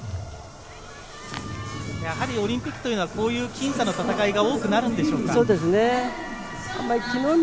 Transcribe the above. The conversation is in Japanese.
やはりオリンピックはこういう僅差の戦いも多くなるんでしょうか。